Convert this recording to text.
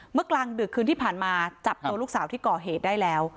กลางดึกคืนที่ผ่านมาจับตัวลูกสาวที่ก่อเหตุได้แล้ว